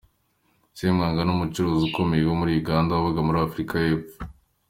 Semwanga ni umucuruzi ukomeye wo muri Uganda wabaga muri Afurika y’Epfo.